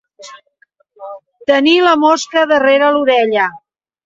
Tenir la mosca darrere l'orella.